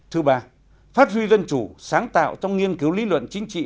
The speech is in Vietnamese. thứ ba phát huy dân chủ sáng tạo trong nghiên cứu lý luận chính trị